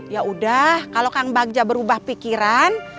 yaudah kalau kang bagja berubah pikiran